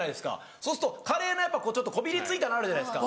そうするとカレーのこびりついたのあるじゃないですか。